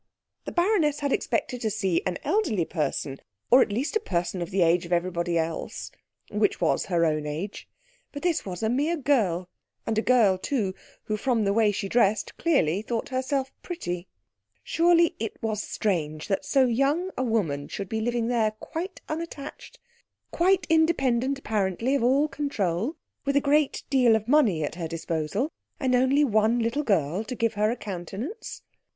The baroness had expected to see an elderly person, or at least a person of the age of everybody else, which was her own age; but this was a mere girl, and a girl, too, who from the way she dressed, clearly thought herself pretty. Surely it was strange that so young a woman should be living here quite unattached, quite independent apparently of all control, with a great deal of money at her disposal, and only one little girl to give her a countenance?